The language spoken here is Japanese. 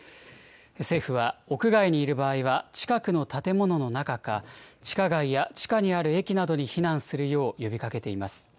政府は、屋外にいる場合は近くの建物の中か、地下街や地下にある駅などに避難するよう呼びかけています。